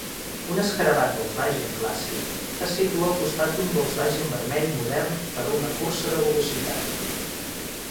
Un Escarabat Volkswagen clàssic es situa al costat d'un Volkswagen vermell modern per a una cursa de velocitat.